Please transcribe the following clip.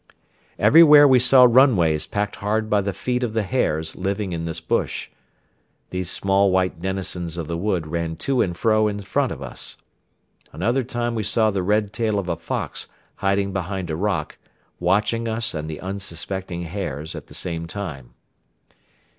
Everywhere we saw runways packed hard by the feet of the hares living in this bush. These small white denizens of the wood ran to and fro in front of us. Another time we saw the red tail of a fox hiding behind a rock, watching us and the unsuspecting hares at the same time.